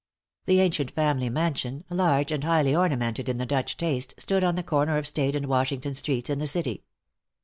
The ancient family mansion, large and highly ornamented in the Dutch taste, stood on the corner of State and Washington streets, in the city.